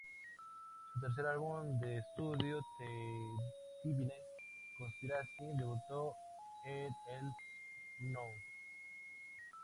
Su tercer álbum de estudio "The Divine Conspiracy" debutó en el No.